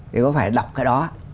thì có phải đọc cái đó